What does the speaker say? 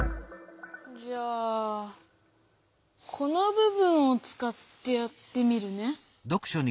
じゃあこのぶ分をつかってやってみるね。